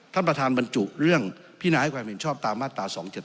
ท่านประธานบรรจุเรื่องพินาให้ความเห็นชอบตามมาตรา๒๗๒